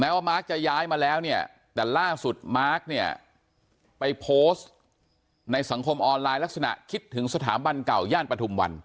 ว่ามาร์คจะย้ายมาแล้วเนี่ยแต่ล่าสุดมาร์คเนี่ยไปโพสต์ในสังคมออนไลน์ลักษณะคิดถึงสถาบันเก่าย่านปฐุมวัน